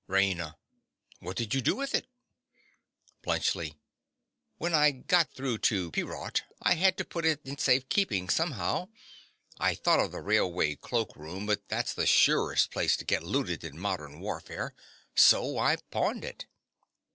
RAINA. What did you do with it? BLUNTSCHLI. When I got through to Peerot I had to put it in safe keeping somehow. I thought of the railway cloak room; but that's the surest place to get looted in modern warfare. So I pawned it.